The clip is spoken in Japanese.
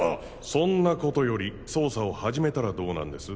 そんなことより捜査を始めたらどうなんです？